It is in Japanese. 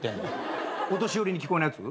お年寄りに聞こえないやつ？